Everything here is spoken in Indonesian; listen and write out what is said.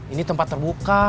ini tempat terbuka